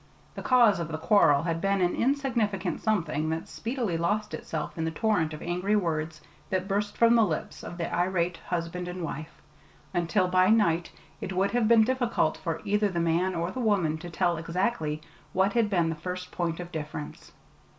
The cause of the quarrel had been an insignificant something that speedily lost itself in the torrent of angry words that burst from the lips of the irate husband and wife, until by night it would have been difficult for either the man or the woman to tell exactly what had been the first point of difference.